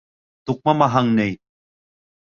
Туҡмамаһаң ни?